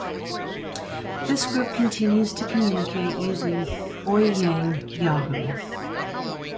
This group continues to communicate using Ouyang Yahoo!